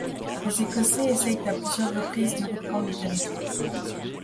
Les Écossais essayent à plusieurs reprises de reprendre le territoire.